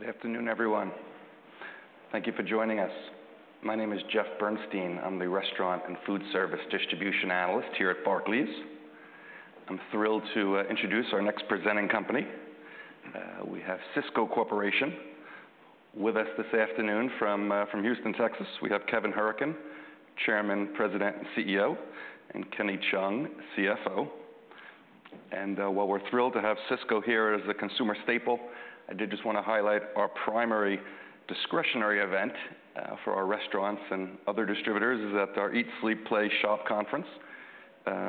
Good afternoon, everyone. Thank you for joining us. My name is Jeff Bernstein. I'm the restaurant and food service distribution analyst here at Barclays. I'm thrilled to introduce our next presenting company. We have Sysco Corporation with us this afternoon from Houston, Texas. We have Kevin Hourican, Chairman, President, and CEO, and Kenny Cheung, CFO, and while we're thrilled to have Sysco here as a consumer staple, I did just want to highlight our primary discretionary event for our restaurants and other distributors is at our Eat, Sleep, Play, Shop conference,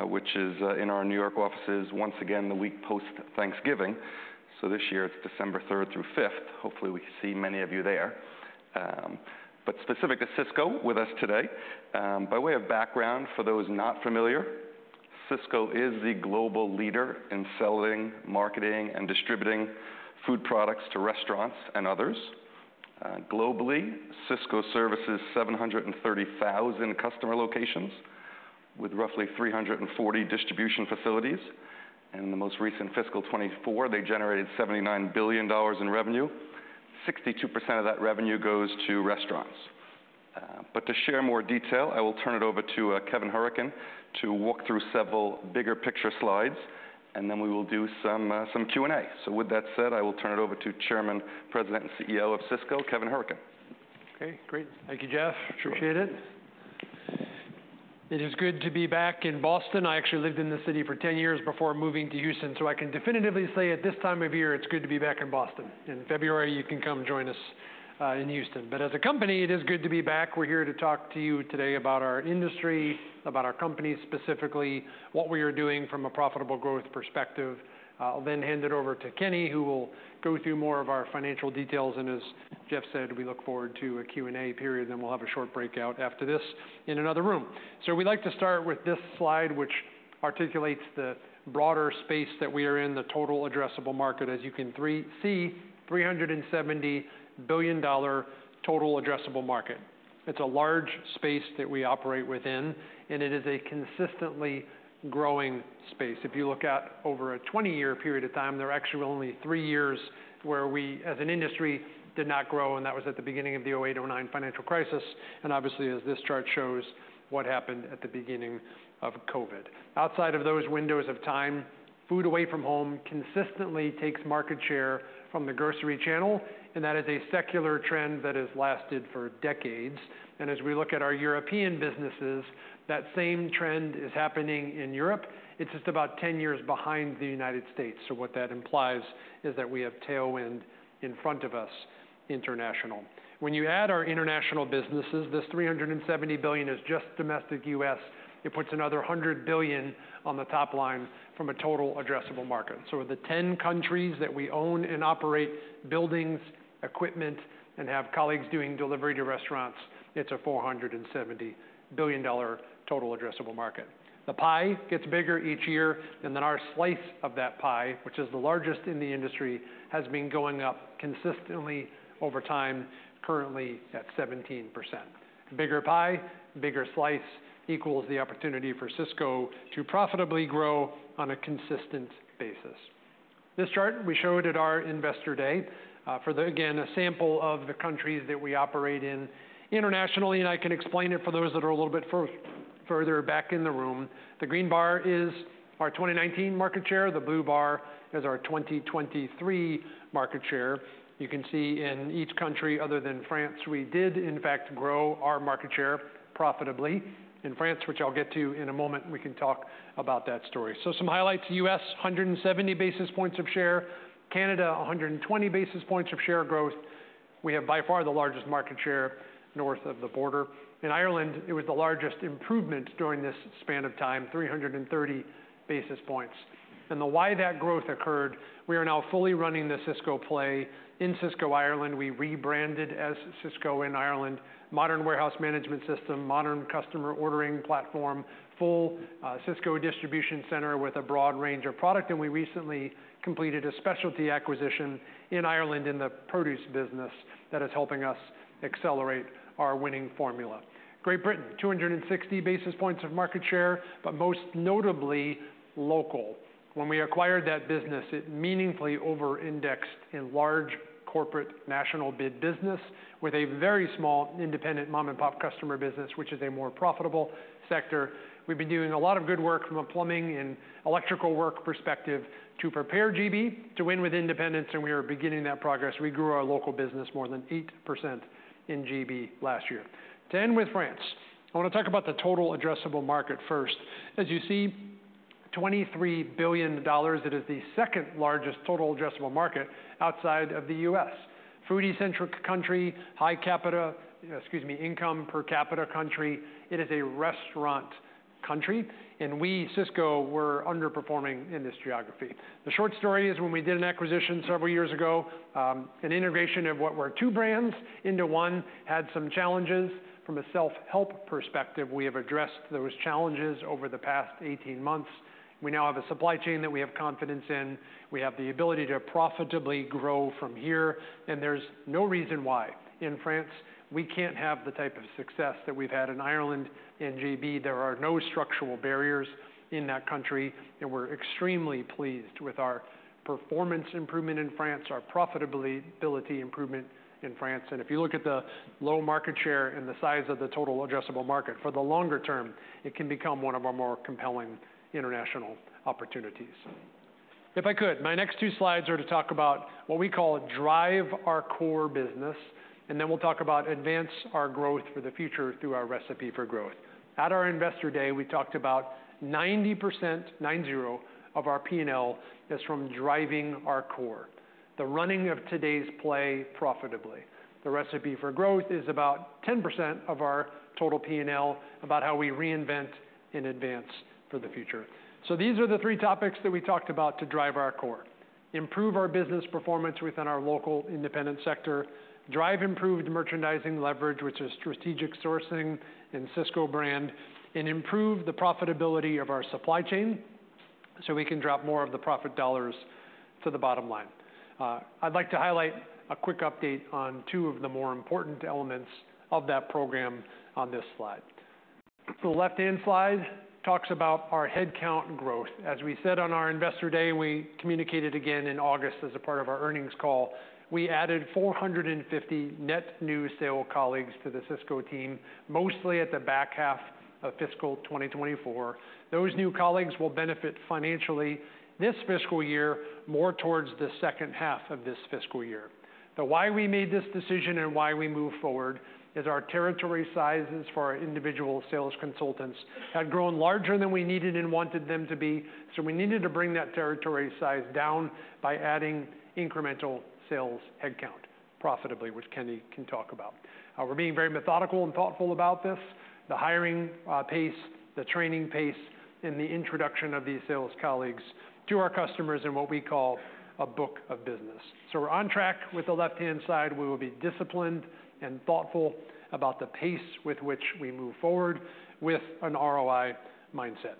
which is in our New York offices once again, the week post-Thanksgiving. So this year it's December 3rd through 5th. Hopefully, we see many of you there. Specific to Sysco, with us today, by way of background for those not familiar, Sysco is the global leader in selling, marketing, and distributing food products to restaurants and others. Globally, Sysco services 730,000 customer locations with roughly 340 distribution facilities. In the most recent fiscal 2024, they generated $79 billion in revenue. 62% of that revenue goes to restaurants, but to share more detail, I will turn it over to Kevin Hourican to walk through several bigger picture slides, and then we will do some Q&A. With that said, I will turn it over to Chairman, President, and CEO of Sysco, Kevin Hourican. Okay, great. Thank you, Jeff. Sure. Appreciate it. It is good to be back in Boston. I actually lived in this city for 10 years before moving to Houston, so I can definitively say at this time of year, it's good to be back in Boston. In February, you can come join us, in Houston. But as a company, it is good to be back. We're here to talk to you today about our industry, about our company, specifically, what we are doing from a profitable growth perspective. I'll then hand it over to Kenny, who will go through more of our financial details, and as Jeff said, we look forward to a Q&A period, then we'll have a short breakout after this in another room. So we'd like to start with this slide, which articulates the broader space that we are in, the total addressable market. As you can see, $370 billion total addressable market. It's a large space that we operate within, and it is a consistently growing space. If you look at over a twenty-year period of time, there are actually only three years where we, as an industry, did not grow, and that was at the beginning of the 2008, 2009 financial crisis, and obviously, as this chart shows, what happened at the beginning of COVID. Outside of those windows of time, food away from home consistently takes market share from the grocery channel, and that is a secular trend that has lasted for decades, and as we look at our European businesses, that same trend is happening in Europe. It's just about ten years behind the United States, so what that implies is that we have tailwind in front of us, international. When you add our international businesses, this $370 billion is just domestic U.S. It puts another $100 billion on the top line from a total addressable market. So the 10 countries that we own and operate, buildings, equipment, and have colleagues doing delivery to restaurants, it's a $470 billion total addressable market. The pie gets bigger each year, and then our slice of that pie, which is the largest in the industry, has been going up consistently over time, currently at 17%. Bigger pie, bigger slice equals the opportunity for Sysco to profitably grow on a consistent basis. This chart we showed at our Investor Day. Again, a sample of the countries that we operate in internationally, and I can explain it for those that are a little bit further back in the room. The green bar is our 2019 market share. The blue bar is our 2023 market share. You can see in each country, other than France, we did, in fact, grow our market share profitably. In France, which I'll get to in a moment, we can talk about that story. Some highlights, U.S., 170 basis points of share, Canada, 120 basis points of share growth. We have, by far, the largest market share north of the border. In Ireland, it was the largest improvement during this span of time, 330 basis points. The why that growth occurred, we are now fully running the Sysco play in Sysco Ireland. We rebranded as Sysco in Ireland, modern warehouse management system, modern customer ordering platform, full Sysco distribution center with a broad range of product, and we recently completed a specialty acquisition in Ireland in the produce business that is helping us accelerate our winning formula. Great Britain, 260 basis points of market share, but most notably local. When we acquired that business, it meaningfully over indexed in large corporate national bid business with a very small independent mom-and-pop customer business, which is a more profitable sector. We've been doing a lot of good work from a plumbing and electrical work perspective to prepare GB to win with independents, and we are beginning that progress. We grew our local business more than 8% in GB last year. To end with France, I want to talk about the total addressable market first. As you see, $23 billion, it is the second largest total addressable market outside of the U.S. Foodie-centric country, excuse me, income per capita country. It is a restaurant country, and we, Sysco, were underperforming in this geography. The short story is, when we did an acquisition several years ago, an integration of what were two brands into one had some challenges. From a self-help perspective, we have addressed those challenges over the past 18 months. We now have a supply chain that we have confidence in. We have the ability to profitably grow from here, and there's no reason why in France, we can't have the type of success that we've had in Ireland and GB. There are no structural barriers in that country, and we're extremely pleased with our performance improvement in France, our profitability, ability improvement in France. And if you look at the low market share and the size of the total addressable market for the longer term, it can become one of our more compelling international opportunities. If I could, my next two slides are to talk about what we call Drive Our Core, and then we'll talk about advance our growth for the future through our Recipe for Growth. At our Investor Day, we talked about 90%, nine zero, of our P&L is from driving our core. The running of today's play profitably. The Recipe for Growth is about 10% of our total P&L, about how we reinvent and advance for the future. So these are the three topics that we talked about to drive our core: improve our business performance within our local independent sector, drive improved merchandising leverage, which is strategic sourcing in Sysco Brand, and improve the profitability of our supply chain, so we can drop more of the profit dollars to the bottom line. I'd like to highlight a quick update on two of the more important elements of that program on this slide. The left-hand slide talks about our headcount growth. As we said on our Investor Day, we communicated again in August as a part of our earnings call. We added 450 net new sales colleagues to the Sysco team, mostly at the back half of fiscal 2024. Those new colleagues will benefit financially this fiscal year, more towards the second half of this fiscal year. Now, why we made this decision and why we moved forward is our territory sizes for our individual sales consultants had grown larger than we needed and wanted them to be. So we needed to bring that territory size down by adding incremental sales headcount profitably, which Kenny can talk about. We're being very methodical and thoughtful about this, the hiring pace, the training pace, and the introduction of these sales colleagues to our customers in what we call a book of business. So we're on track with the left-hand side. We will be disciplined and thoughtful about the pace with which we move forward with an ROI mindset.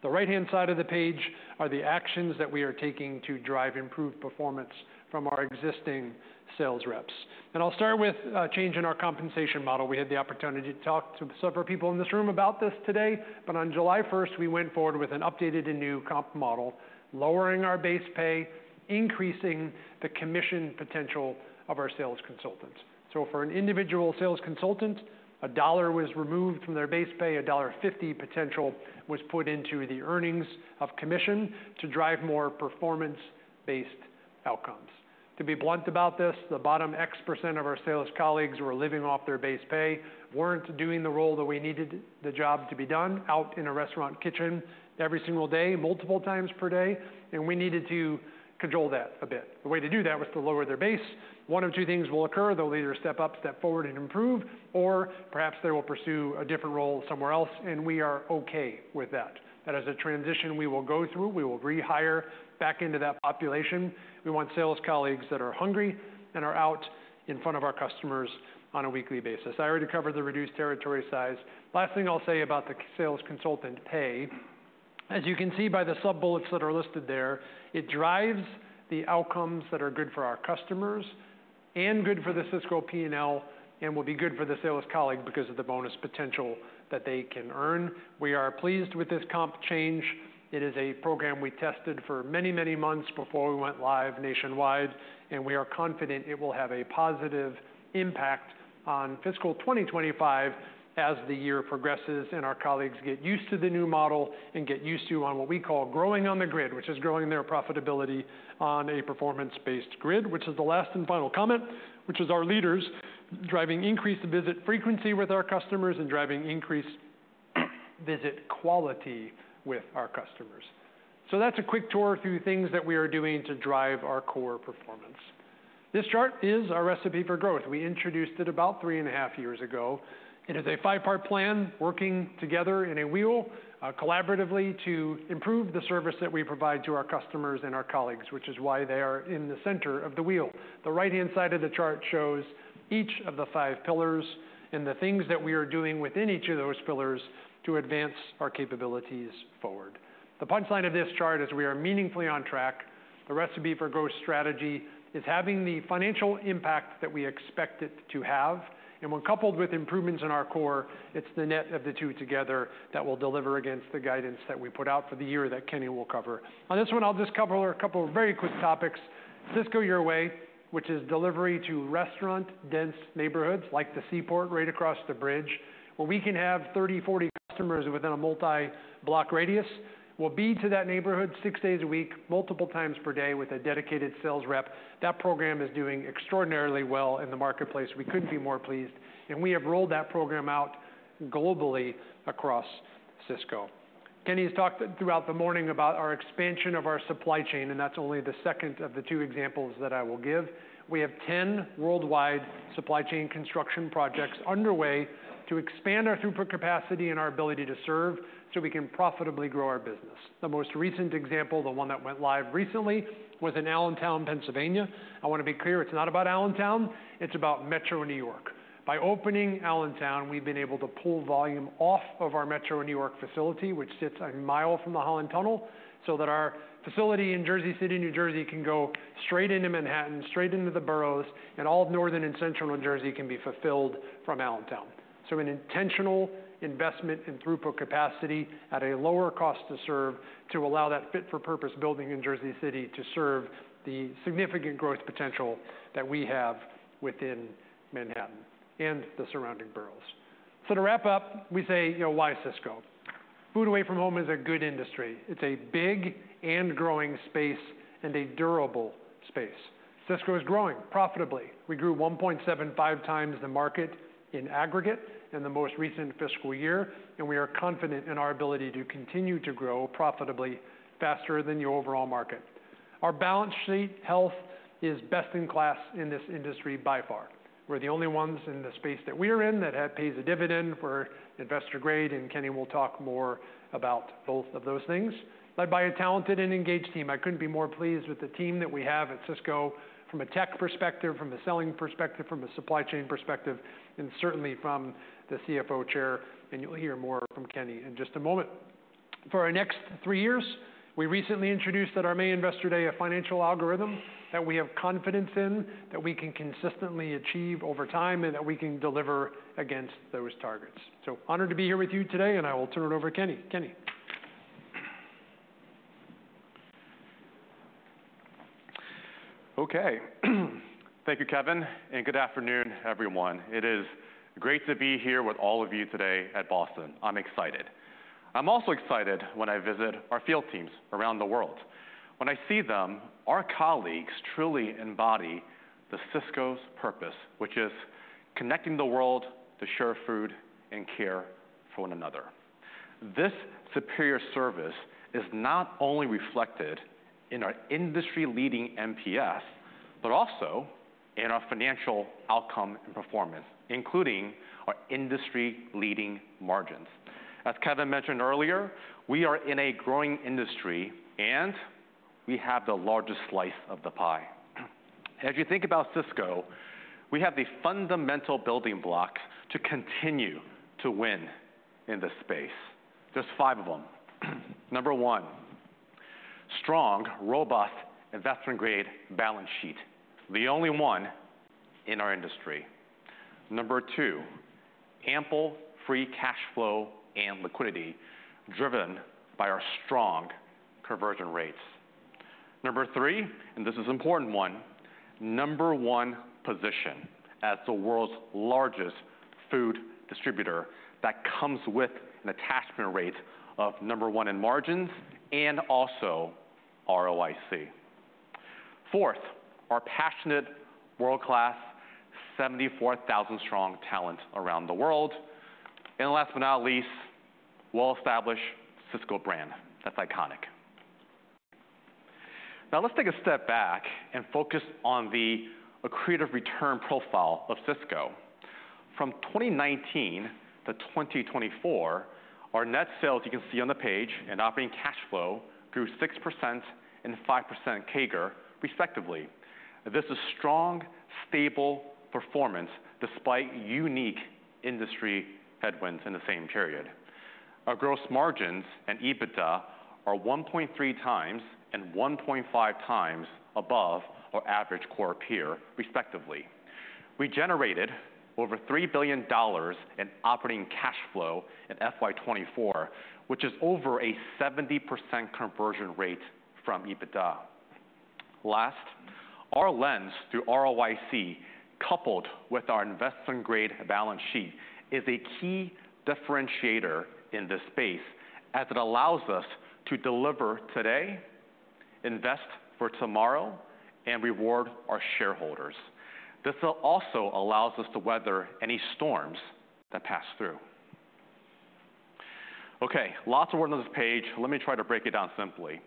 The right-hand side of the page are the actions that we are taking to drive improved performance from our existing sales reps. And I'll start with a change in our compensation model. We had the opportunity to talk to several people in this room about this today, but on July first, we went forward with an updated and new comp model, lowering our base pay, increasing the commission potential of our sales consultants. So for an individual sales consultant, $1 was removed from their base pay, $1.50 potential was put into the earnings of commission to drive more performance-based outcomes. To be blunt about this, the bottom X% of our sales colleagues were living off their base pay, weren't doing the role that we needed the job to be done out in a restaurant kitchen every single day, multiple times per day, and we needed to control that a bit. The way to do that was to lower their base. One of two things will occur. They'll either step up, step forward and improve, or perhaps they will pursue a different role somewhere else, and we are okay with that. That as a transition, we will go through, we will rehire back into that population. We want sales colleagues that are hungry and are out in front of our customers on a weekly basis. I already covered the reduced territory size. Last thing I'll say about the sales consultant pay, as you can see by the sub-bullets that are listed there, it drives the outcomes that are good for our customers and good for the Sysco P&L, and will be good for the sales colleague because of the bonus potential that they can earn. We are pleased with this comp change. It is a program we tested for many, many months before we went live nationwide, and we are confident it will have a positive impact on fiscal 2025 as the year progresses and our colleagues get used to the new model and get used to on what we call growing on the grid, which is growing their profitability on a performance-based grid. Which is the last and final comment, which is our leaders driving increased visit frequency with our customers and driving increased visit quality with our customers. So that's a quick tour through things that we are doing to Drive Our Core performance. This chart is our Recipe for Growth. We introduced it about three and a half years ago. It is a five-part plan, working together in a wheel, collaboratively to improve the service that we provide to our customers and our colleagues, which is why they are in the center of the wheel. The right-hand side of the chart shows each of the five pillars and the things that we are doing within each of those pillars to advance our capabilities forward. The punchline of this chart is we are meaningfully on track. The Recipe for Growth strategy is having the financial impact that we expect it to have, and when coupled with improvements in our core, it's the net of the two together that will deliver against the guidance that we put out for the year that Kenny will cover. On this one, I'll just cover a couple of very quick topics. Sysco Your Way, which is delivery to restaurant-dense neighborhoods like the Seaport, right across the bridge, where we can have thirty, forty customers within a multi-block radius, will be to that neighborhood six days a week, multiple times per day, with a dedicated sales rep. That program is doing extraordinarily well in the marketplace. We couldn't be more pleased, and we have rolled that program out globally across Sysco. Kenny has talked throughout the morning about our expansion of our supply chain, and that's only the second of the two examples that I will give. We have 10 worldwide supply chain construction projects underway to expand our throughput capacity and our ability to serve, so we can profitably grow our business. The most recent example, the one that went live recently, was in Allentown, Pennsylvania. I want to be clear, it's not about Allentown, it's about Metro New York. By opening Allentown, we've been able to pull volume off of our Metro New York facility, which sits a mile from the Holland Tunnel, so that our facility in Jersey City, New Jersey, can go straight into Manhattan, straight into the boroughs, and all of Northern and Central New Jersey can be fulfilled from Allentown. So an intentional investment in throughput capacity at a lower cost to serve, to allow that fit-for-purpose building in Jersey City to serve the significant growth potential that we have within Manhattan and the surrounding boroughs. So to wrap up, we say, you know, why Sysco? Food away from home is a good industry. It's a big and growing space and a durable space. Sysco is growing profitably. We grew 1.75 times the market in aggregate in the most recent fiscal year, and we are confident in our ability to continue to grow profitably faster than the overall market. Our balance sheet health is best in class in this industry by far. We're the only ones in the space that we are in that pays a dividend for investment grade, and Kenny will talk more about both of those things. Led by a talented and engaged team, I couldn't be more pleased with the team that we have at Sysco from a tech perspective, from a selling perspective, from a supply chain perspective, and certainly from the CFO chair, and you'll hear more from Kenny in just a moment. For our next three years, we recently introduced at our May Investor Day, a financial algorithm that we have confidence in, that we can consistently achieve over time, and that we can deliver against those targets. So honored to be here with you today, and I will turn it over to Kenny. Kenny? Okay. Thank you, Kevin, and good afternoon, everyone. It is great to be here with all of you today at Boston. I'm excited. I'm also excited when I visit our field teams around the world. When I see them, our colleagues truly embody the Sysco's purpose, which is connecting the world to share food and care for one another. This superior service is not only reflected in our industry-leading NPS, but also in our financial outcome and performance, including our industry-leading margins. As Kevin mentioned earlier, we are in a growing industry, and we have the largest slice of the pie. As you think about Sysco, we have the fundamental building block to continue to win in this space. There's five of them. Number one, strong, robust, investment-grade balance sheet, the only one in our industry. Number two, ample free cash flow and liquidity, driven by our strong conversion rates. Number three, and this is important one, number one position as the world's largest food distributor that comes with an attachment rate of number one in margins and also ROIC. Fourth, our passionate, world-class, 74,000-strong talent around the world. And last but not least, well-established Sysco brand, that's iconic. Now, let's take a step back and focus on the accretive return profile of Sysco. From 2019-2024, our net sales, you can see on the page, and operating cash flow grew 6% and 5% CAGR, respectively. This is strong, stable performance despite unique industry headwinds in the same period. Our gross margins and EBITDA are 1.3 times and 1.5 times above our average core peer, respectively. We generated over $3 billion in operating cash flow in FY 2024, which is over a 70% conversion rate from EBITDA. Last, our lens through ROIC, coupled with our investment-grade balance sheet, is a key differentiator in this space as it allows us to deliver today, invest for tomorrow, and reward our shareholders. This also allows us to weather any storms that pass through. Okay, lots of work on this page. Let me try to break it down simply.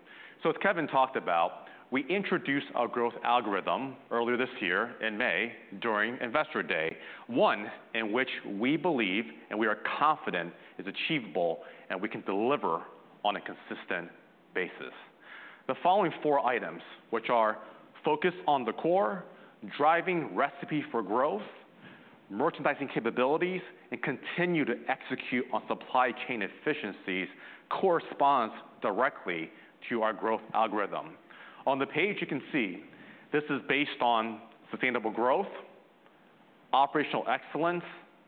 So as Kevin talked about, we introduced our growth algorithm earlier this year in May during Investor Day, one in which we believe and we are confident is achievable and we can deliver on a consistent basis. The following four items, which are focus on the core, driving Recipe for Growth, merchandising capabilities, and continue to execute on supply chain efficiencies, corresponds directly to our growth algorithm. On the page, you can see this is based on sustainable growth, operational excellence,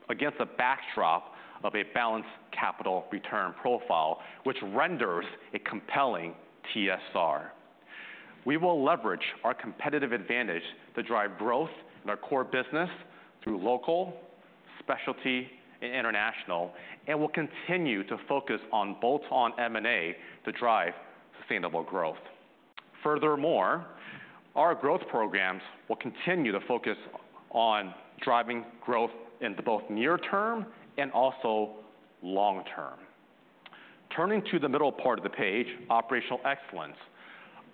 against a backdrop of a balanced capital return profile, which renders a compelling TSR. We will leverage our competitive advantage to drive growth in our core business through local, specialty, and international, and we'll continue to focus on bolt-on M&A to drive sustainable growth. Furthermore, our growth programs will continue to focus on driving growth in the both near term and also long term. Turning to the middle part of the page, operational excellence.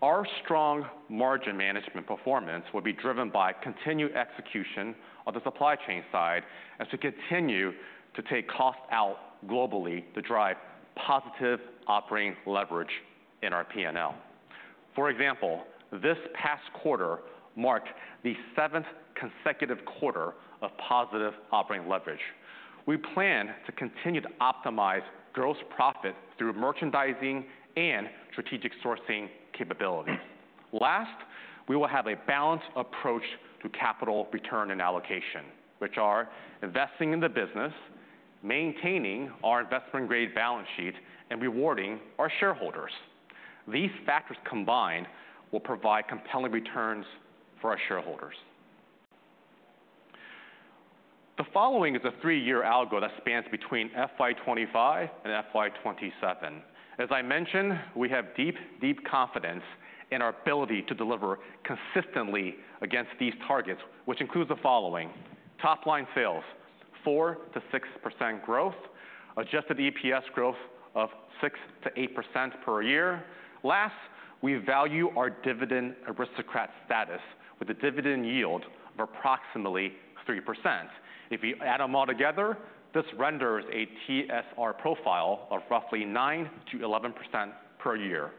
Our strong margin management performance will be driven by continued execution on the supply chain side, as we continue to take costs out globally to drive positive operating leverage in our P&L. For example, this past quarter marked the seventh consecutive quarter of positive operating leverage. We plan to continue to optimize gross profit through merchandising and strategic sourcing capabilities. Last, we will have a balanced approach to capital return and allocation, which are investing in the business, maintaining our investment-grade balance sheet, and rewarding our shareholders. These factors combined will provide compelling returns for our shareholders. The following is a three-year algorithm that spans between FY 2025 and FY 2027. As I mentioned, we have deep, deep confidence in our ability to deliver consistently against these targets, which includes the following: top-line sales, 4-6% growth, adjusted EPS growth of 6%-8% per year. Last, we value our Dividend Aristocrat status with a dividend yield of approximately 3%. If you add them all together, this renders a TSR profile of roughly 9%-11% per year.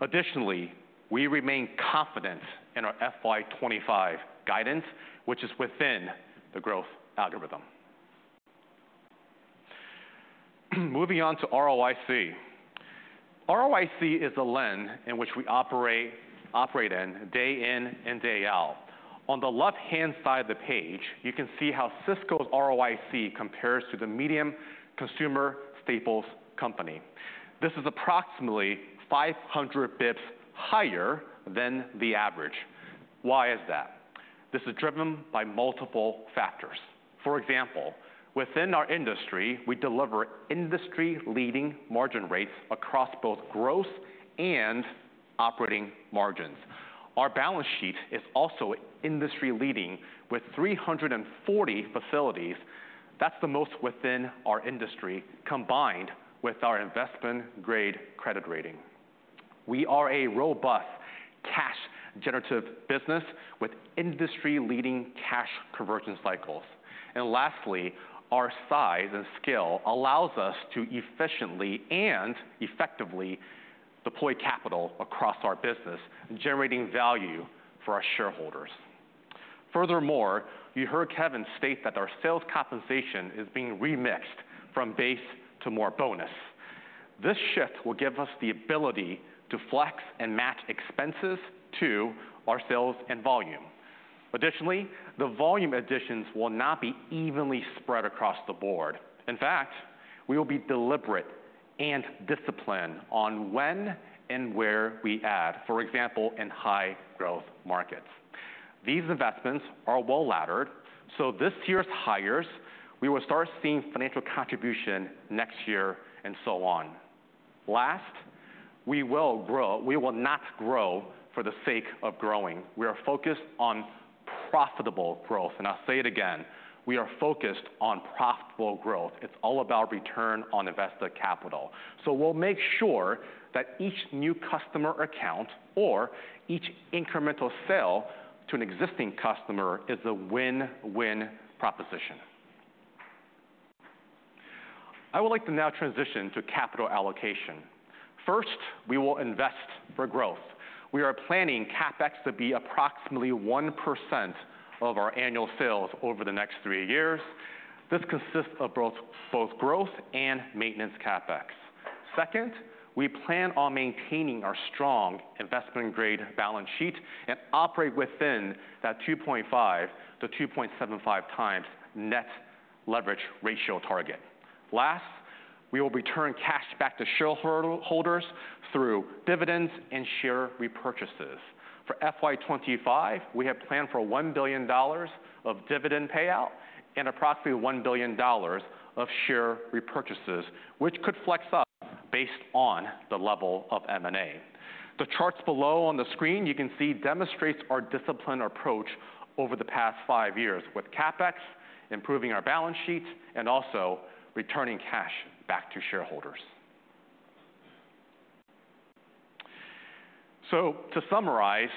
Additionally, we remain confident in our FY 2025 guidance, which is within the growth algorithm. Moving on to ROIC. ROIC is a lens in which we operate in day in and day out. On the left-hand side of the page, you can see how Sysco's ROIC compares to the median consumer staples company. This is approximately 500 basis points higher than the average. Why is that? This is driven by multiple factors. For example, within our industry, we deliver industry-leading margin rates across both growth and operating margins. Our balance sheet is also industry-leading with 340 facilities. That's the most within our industry, combined with our investment-grade credit rating. We are a robust cash generative business with industry-leading cash conversion cycles. And lastly, our size and scale allows us to efficiently and effectively deploy capital across our business, generating value for our shareholders. Furthermore, you heard Kevin state that our sales compensation is being remixed from base to more bonus. This shift will give us the ability to flex and match expenses to our sales and volume. Additionally, the volume additions will not be evenly spread across the board. In fact, we will be deliberate and disciplined on when and where we add, for example, in high-growth markets. These investments are well-laddered, so this year's hires, we will start seeing financial contribution next year, and so on. Last, we will grow. We will not grow for the sake of growing. We are focused on profitable growth, and I'll say it again, we are focused on profitable growth. It's all about Return on Invested Capital. So we'll make sure that each new customer account or each incremental sale to an existing customer is a win-win proposition. I would like to now transition to capital allocation. First, we will invest for growth. We are planning CapEx to be approximately 1% of our annual sales over the next three years. This consists of both growth and maintenance CapEx. Second, we plan on maintaining our strong investment-grade balance sheet and operate within that 2.5-2.75 times net leverage ratio target. Last, we will return cash back to shareholders through dividends and share repurchases. For FY 2025, we have planned for $1 billion of dividend payout and approximately $1 billion of share repurchases, which could flex up based on the level of M&A. The charts below on the screen, you can see, demonstrates our disciplined approach over the past five years with CapEx, improving our balance sheet, and also returning cash back to shareholders. So to summarize,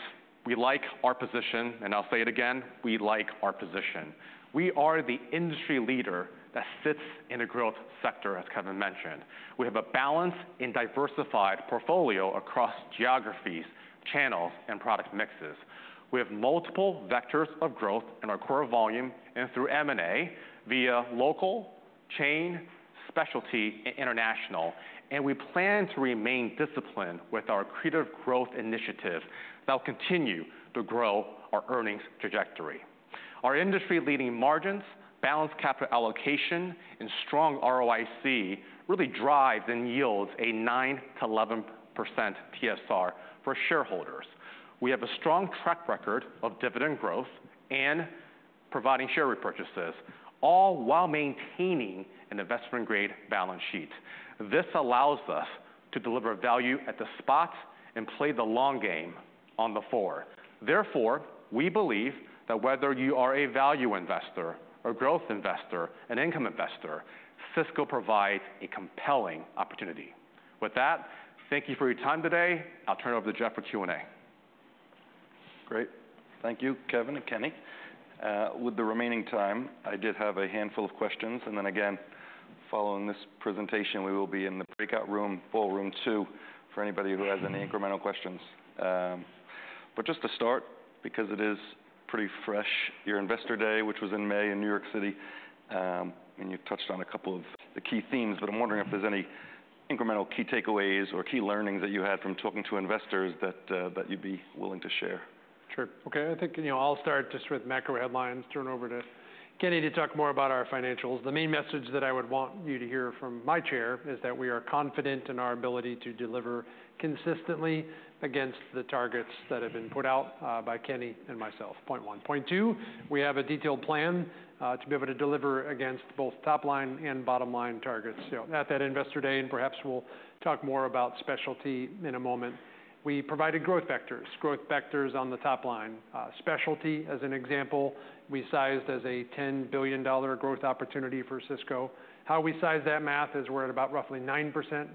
we like our position, and I'll say it again, we like our position. We are the industry leader that sits in a growth sector, as Kevin mentioned. We have a balanced and diversified portfolio across geographies, channels, and product mixes. We have multiple vectors of growth in our core volume and through M&A via local, chain, specialty, and international, and we plan to remain disciplined with our accretive growth initiative that will continue to grow our earnings trajectory. Our industry-leading margins, balanced capital allocation, and strong ROIC really drives and yields a 9-11% TSR for shareholders. We have a strong track record of dividend growth and providing share repurchases, all while maintaining an investment-grade balance sheet. This allows us to deliver value at the spots and play the long game on the floor. Therefore, we believe that whether you are a value investor, or growth investor, an income investor, Sysco provides a compelling opportunity. With that, thank you for your time today. I'll turn it over to Jeff for Q&A.... Great. Thank you, Kevin and Kenny. With the remaining time, I did have a handful of questions, and then again, following this presentation, we will be in the breakout room, Ballroom two, for anybody who has any incremental questions. But just to start, because it is pretty fresh, your Investor Day, which was in May in New York City, and you've touched on a couple of the key themes, but I'm wondering if there's any incremental key takeaways or key learnings that you had from talking to investors that you'd be willing to share? Sure. Okay, I think, you know, I'll start just with macro headlines, turn over to Kenny to talk more about our financials. The main message that I would want you to hear from my chair is that we are confident in our ability to deliver consistently against the targets that have been put out by Kenny and myself, point one. Point two, we have a detailed plan to be able to deliver against both top line and bottom line targets. So at that Investor Day, and perhaps we'll talk more about specialty in a moment, we provided growth vectors, growth vectors on the top line. Specialty, as an example, we sized as a $10 billion growth opportunity for Sysco. How we size that math is we're at about roughly 9%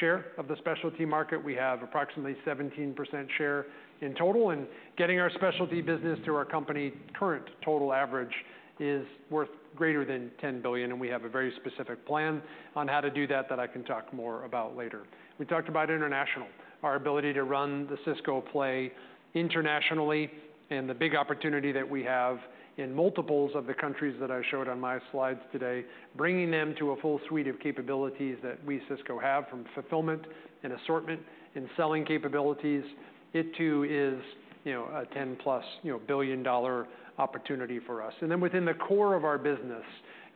share of the specialty market. We have approximately 17% share in total, and getting our specialty business to our company current total average is worth greater than $10 billion, and we have a very specific plan on how to do that, that I can talk more about later. We talked about international, our ability to run the Sysco play internationally and the big opportunity that we have in multiples of the countries that I showed on my slides today, bringing them to a full suite of capabilities that we, Sysco, have from fulfillment and assortment and selling capabilities. It, too, is, you know, a $10-plus, you know, billion-dollar opportunity for us. And then within the core of our business,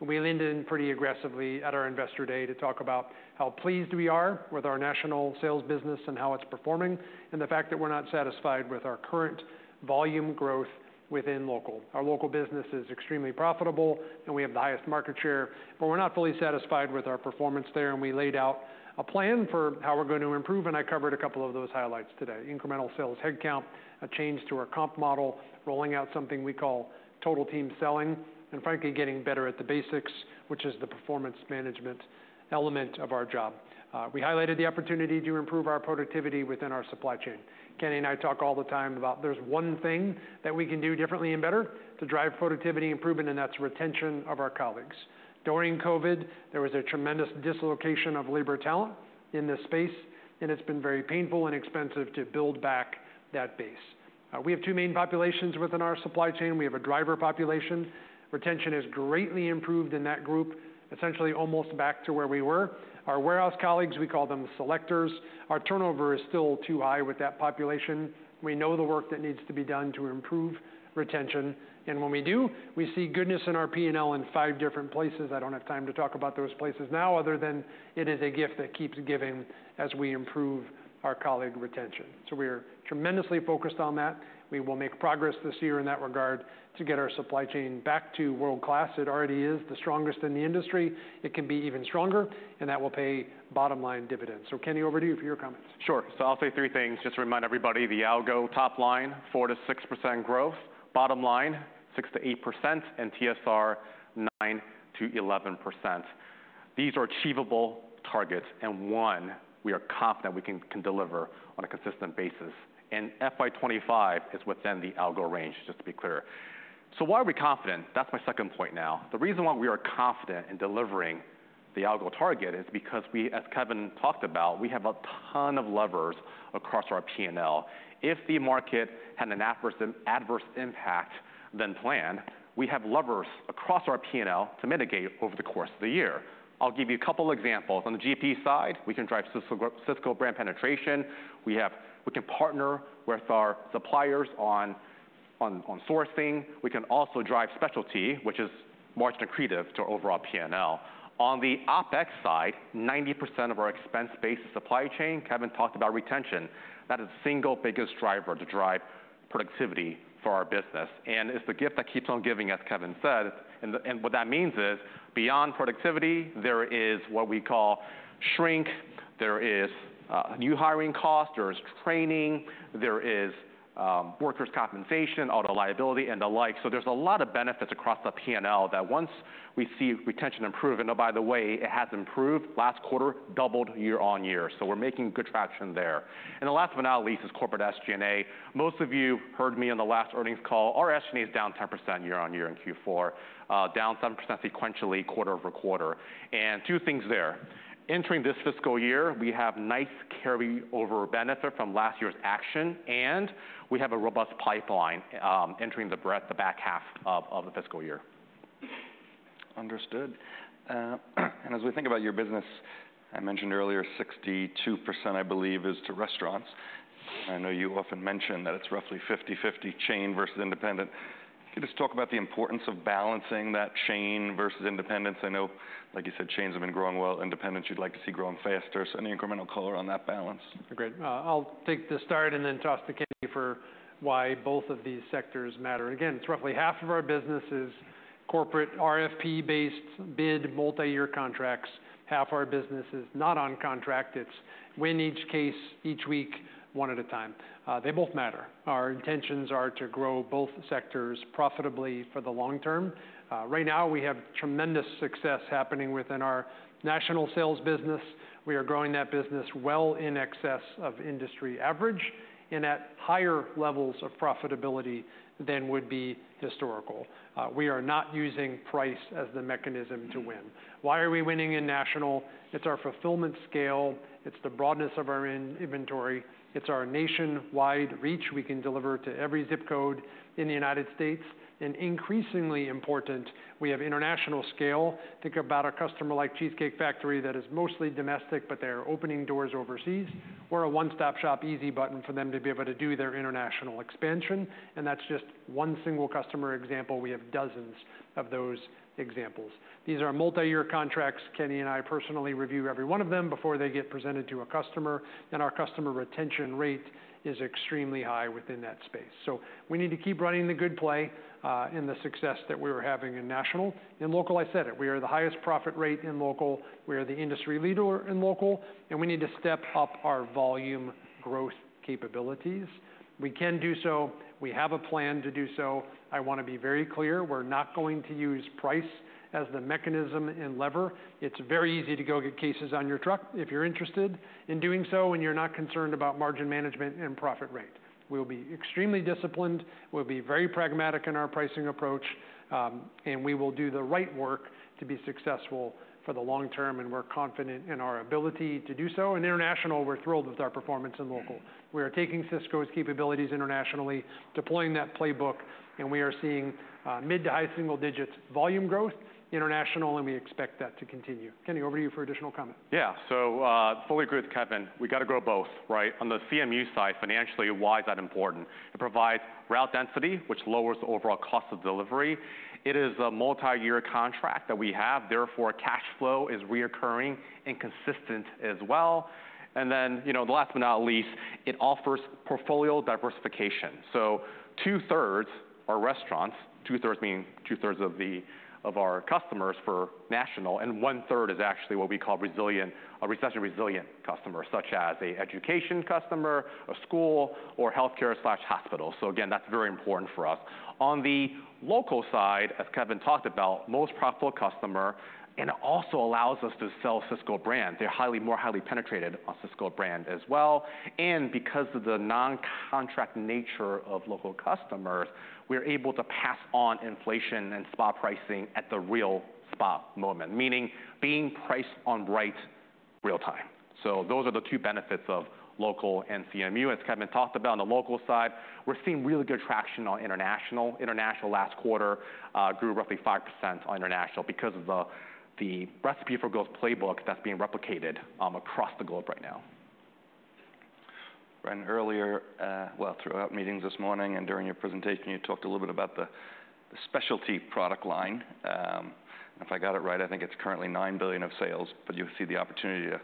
we leaned in pretty aggressively at our Investor Day to talk about how pleased we are with our national sales business and how it's performing, and the fact that we're not satisfied with our current volume growth within local. Our local business is extremely profitable, and we have the highest market share, but we're not fully satisfied with our performance there, and we laid out a plan for how we're going to improve, and I covered a couple of those highlights today. Incremental sales, headcount, a change to our comp model, rolling out something we call Total Team Selling, and frankly, getting better at the basics, which is the performance management element of our job. We highlighted the opportunity to improve our productivity within our supply chain. Kenny and I talk all the time about there's one thing that we can do differently and better to drive productivity improvement, and that's retention of our colleagues. During COVID, there was a tremendous dislocation of labor talent in this space, and it's been very painful and expensive to build back that base. We have two main populations within our supply chain. We have a driver population. Retention has greatly improved in that group, essentially almost back to where we were. Our warehouse colleagues, we call them selectors. Our turnover is still too high with that population. We know the work that needs to be done to improve retention, and when we do, we see goodness in our P&L in five different places. I don't have time to talk about those places now, other than it is a gift that keeps giving as we improve our colleague retention. So we are tremendously focused on that. We will make progress this year in that regard to get our supply chain back to world-class. It already is the strongest in the industry. It can be even stronger, and that will pay bottom-line dividends. So, Kenny, over to you for your comments. Sure. So I'll say three things just to remind everybody, the algo top line, 4-6% growth, bottom line, 6-8%, and TSR, 9-11%. These are achievable targets, and one we are confident we can deliver on a consistent basis. FY 2025 is within the algo range, just to be clear. So why are we confident? That's my second point now. The reason why we are confident in delivering the algo target is because we, as Kevin talked about, we have a ton of levers across our P&L. If the market had an adverse impact than planned, we have levers across our P&L to mitigate over the course of the year. I'll give you a couple examples. On the GP side, we can drive Sysco Brand penetration. We can partner with our suppliers on sourcing. We can also drive specialty, which is more accretive to our overall P&L. On the OpEx side, 90% of our expense base is supply chain. Kevin talked about retention. That is the single biggest driver to drive productivity for our business, and it's the gift that keeps on giving, as Kevin said. And what that means is, beyond productivity, there is what we call shrink, there is new hiring costs, there is training, there is workers' compensation, auto liability, and the like. So there's a lot of benefits across the P&L that once we see retention improve. And oh, by the way, it has improved. Last quarter, doubled year on year, so we're making good traction there. And last but not least is corporate SG&A. Most of you heard me in the last earnings call, our SG&A is down 10% year on year in Q4, down 7% sequentially quarter over quarter. Two things there. Entering this fiscal year, we have nice carryover benefit from last year's action, and we have a robust pipeline, entering the back half of the fiscal year. Understood, and as we think about your business, I mentioned earlier, 62%, I believe, is to restaurants. I know you often mention that it's roughly fifty-fifty chain versus independent. Can you just talk about the importance of balancing that chain versus independent? I know, like you said, chains have been growing well, independents, you'd like to see growing faster, so any incremental color on that balance? Great. I'll take the start and then toss to Kenny for why both of these sectors matter. Again, roughly half of our business is corporate RFP-based bid, multi-year contracts. Half our business is not on contract. It's win each case, each week, one at a time. They both matter. Our intentions are to grow both sectors profitably for the long term. Right now, we have tremendous success happening within our national sales business. We are growing that business well in excess of industry average and at higher levels of profitability than would be historical. We are not using price as the mechanism to win. Why are we winning in national? It's our fulfillment scale, it's the broadness of our inventory, it's our nationwide reach. We can deliver to every zip code in the United States, and increasingly important, we have international scale. Think about a customer like Cheesecake Factory that is mostly domestic, but they are opening doors overseas. We're a one-stop-shop easy button for them to be able to do their international expansion, and that's just one single customer example. We have dozens of those examples. These are multi-year contracts. Kenny and I personally review every one of them before they get presented to a customer, and our customer retention rate is extremely high within that space. So we need to keep running the good play, and the success that we were having in national. In local, I said it, we are the highest profit rate in local, we are the industry leader in local, and we need to step up our volume growth capabilities. We can do so. We have a plan to do so. I want to be very clear, we're not going to use price as the mechanism and lever. It's very easy to go get cases on your truck if you're interested in doing so, and you're not concerned about margin management and profit rate. We'll be extremely disciplined, we'll be very pragmatic in our pricing approach, and we will do the right work to be successful for the long term, and we're confident in our ability to do so. In international, we're thrilled with our performance in local. We are taking Sysco's capabilities internationally, deploying that playbook, and we are seeing mid- to high-single-digits volume growth international, and we expect that to continue. Kenny, over to you for additional comment. Yeah. So, fully agree with Kevin. We got to grow both, right? On the CMU side, financially, why is that important? It provides route density, which lowers the overall cost of delivery. It is a multi-year contract that we have, therefore, cash flow is recurring and consistent as well. And then, you know, the last but not least, it offers portfolio diversification. So two-thirds are restaurants, two-thirds meaning two-thirds of our customers for national, and one-third is actually what we call resilient, a recession-resilient customer, such as an education customer, a school, or healthcare/hospital. So again, that's very important for us. On the local side, as Kevin talked about, most profitable customer, and it also allows us to sell Sysco Brand. They're highly, more highly penetrated on Sysco Brand as well, and because of the non-contract nature of local customers, we're able to pass on inflation and spot pricing at the real spot moment, meaning being priced on right, real time. So those are the two benefits of local and CMU, as Kevin talked about on the local side. We're seeing really good traction on international. International last quarter grew roughly 5% on international because of the Recipe for Growth playbook that's being replicated across the globe right now. Earlier, throughout meetings this morning and during your presentation, you talked a little bit about the specialty product line. If I got it right, I think it's currently $9 billion of sales, but you see the opportunity to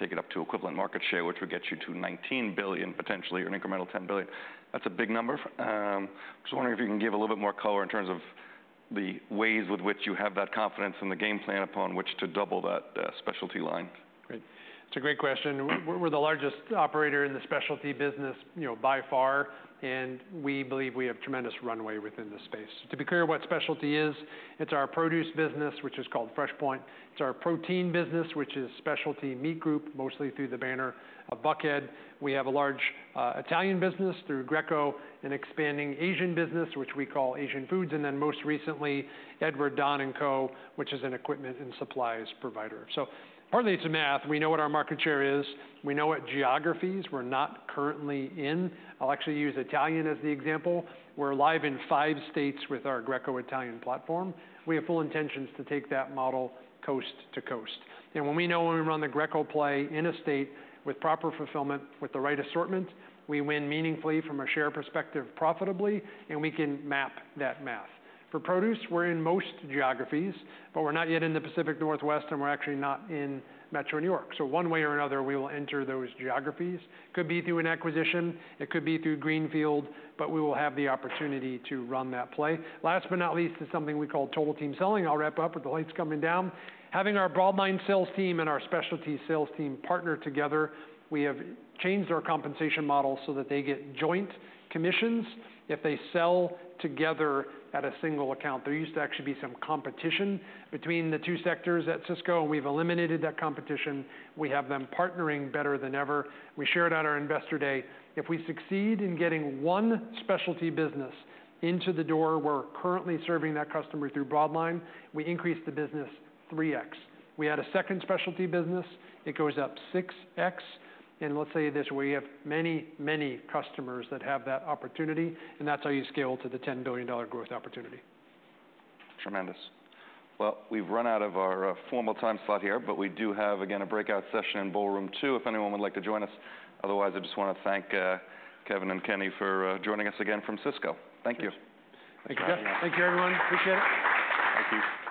take it up to equivalent market share, which would get you to $19 billion, potentially, or an incremental $10 billion. That's a big number. Just wondering if you can give a little bit more color in terms of the ways with which you have that confidence and the game plan upon which to double that specialty line? Great. It's a great question. We're, we're the largest operator in the specialty business, you know, by far, and we believe we have tremendous runway within this space. To be clear, what specialty is, it's our produce business, which is called FreshPoint. It's our protein business, which is Specialty Meat Group, mostly through the banner of Buckhead. We have a large Italian business through Greco, an expanding Asian business, which we call Asian Foods, and then most recently, Edward Don & Co, which is an equipment and supplies provider. So partly, it's a math. We know what our market share is. We know what geographies we're not currently in. I'll actually use Italian as the example. We're live in five states with our Greco Italian platform. We have full intentions to take that model coast to coast. When we run the Greco play in a state with proper fulfillment, with the right assortment, we win meaningfully from a share perspective, profitably, and we can map that math. For produce, we're in most geographies, but we're not yet in the Pacific Northwest, and we're actually not in Metro New York. So one way or another, we will enter those geographies. It could be through an acquisition. It could be through greenfield, but we will have the opportunity to run that play. Last but not least is something we call Total Team Selling. I'll wrap up with the lights coming down. Having our broadline sales team and our specialty sales team partner together, we have changed our compensation model so that they get joint commissions if they sell together at a single account. There used to actually be some competition between the two sectors at Sysco, and we've eliminated that competition. We have them partnering better than ever. We shared at our investor day, if we succeed in getting one specialty business into the door, we're currently serving that customer through broadline, we increase the business three X. We add a second specialty business, it goes up six X, and let's say this, we have many, many customers that have that opportunity, and that's how you scale to the $10 billion growth opportunity. Tremendous. Well, we've run out of our formal time slot here, but we do have, again, a breakout session in Ballroom Two, if anyone would like to join us. Otherwise, I just want to thank Kevin and Kenny for joining us again from Sysco. Thank you. Thank you. Thank you, everyone. Appreciate it. Thank you.